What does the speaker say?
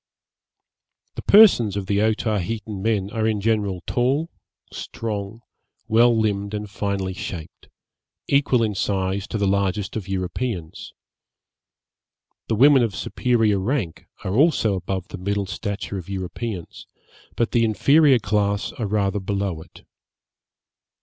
The persons of the Otaheitan men are in general tall, strong, well limbed and finely shaped; equal in size to the largest of Europeans. The women of superior rank are also above the middle stature of Europeans, but the inferior class are rather below it.